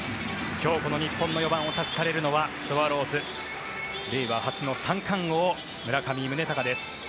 今日この日本の４番を託されるのはスワローズ令和初の三冠王、村上宗隆です。